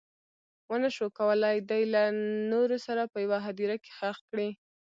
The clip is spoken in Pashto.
ونه شول کولی دی له نورو سره په یوه هدیره کې ښخ کړي.